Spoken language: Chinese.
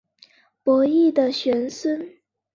伯益的玄孙。